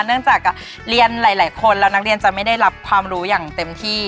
เนื่องจากเรียนหลายคนแล้วนักเรียนจะไม่ได้รับความรู้อย่างเต็มที่